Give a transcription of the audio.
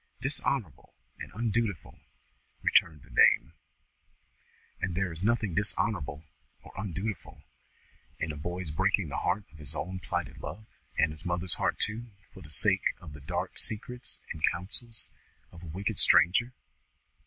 "Dishonourable and undutiful?" returned the dame. "And is there nothing dishonourable or undutiful in the boy's breaking the heart of his own plighted love, and his mother's heart too, for the sake of the dark secrets and counsels of a wicked stranger?